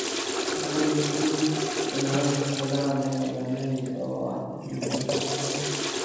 د ښځې شتون د نړۍ د ښکلا، مهربانۍ او عاطفې بنسټ دی.